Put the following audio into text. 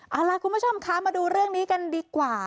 เอาล่ะคุณผู้ชมคะมาดูเรื่องนี้กันดีกว่า